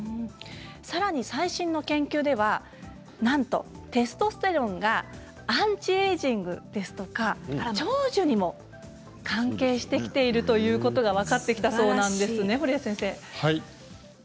さらに最新の研究ではなんとテストステロンがアンチエージングですとか長寿にも関係してきているということが分かってきたそうなんです。